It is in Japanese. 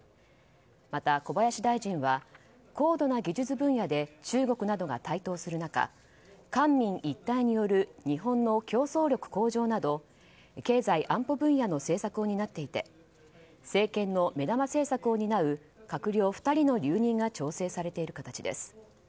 また、小林大臣は高度な技術分野で中国などが台頭する中官民一体による日本の競争力向上など経済安保分野の政策を担っていて政権の目玉政策を担う閣僚２人の留任が調整されている形です。